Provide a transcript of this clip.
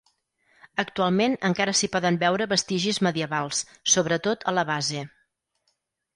Actualment encara s'hi poden veure vestigis medievals, sobretot a la base.